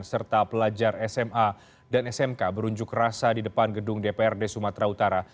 serta pelajar sma dan smk berunjuk rasa di depan gedung dprd sumatera utara